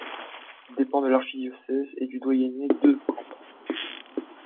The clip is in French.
Elle dépend de l'archidiocèse et du doyenné de Cambrai.